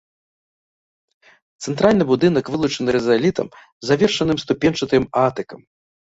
Цэнтральны будынак вылучаны рызалітам, завершаным ступеньчатым атыкам.